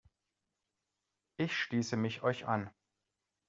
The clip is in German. Ich schließe mich euch an.